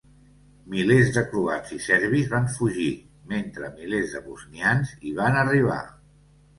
Milers de croats i serbis van fugir, mentre milers de bosnians hi van arribar.